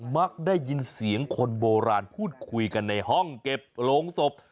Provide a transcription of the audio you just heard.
มักได้ยินเสียงคนโบราณพูดคุยกันในห้องเก็บโรงศพ